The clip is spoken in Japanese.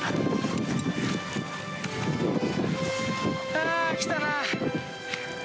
「あ来たな」